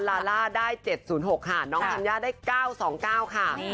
ลาล่าได้๗๐๖ค่ะน้องธัญญาได้๙๒๙ค่ะ